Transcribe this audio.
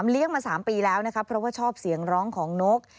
เรียงมา๓ปีแล้วเพราะว่าชอบเสียงร้องของนก